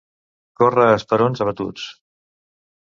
Córrer a esperons abatuts.